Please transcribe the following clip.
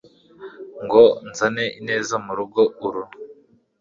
ngo nzane ineza mu rugo uru